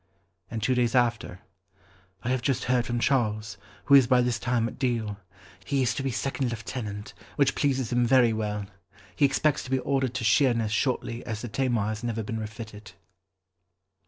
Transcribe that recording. And two days after, "I have just heard from Charles, who is by this time at Deal. He is to be second lieutenant, which pleases him very well. He expects to be ordered to Sheerness shortly as the Tamar has never been refitted."